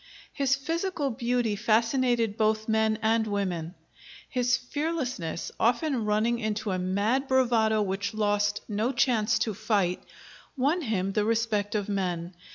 His physical beauty fascinated both men and women; his fearlessness, often running into a mad bravado which lost no chance to fight, won him the respect of men.